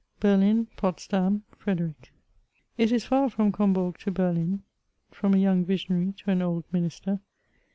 BERLIN— POTSDAlf — FREDERICK. It is far from Combourg to Berlin — ^firom a young visionary to an old minister.